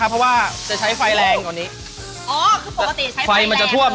เพราะว่าจะใช้ไฟแรงกว่านี้อ๋อคือปกติใช้ไฟมันจะท่วม